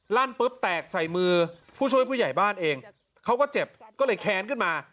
ปุ๊บแตกใส่มือผู้ช่วยผู้ใหญ่บ้านเองเขาก็เจ็บก็เลยแค้นขึ้นมา